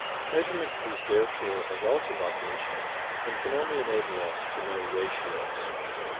Measurement is therefore a relative operation, and can only enable us to know ratios.